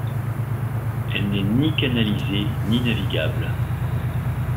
Elle n'est ni canalisée ni navigable.